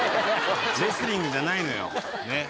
レスリングじゃないのよねっ。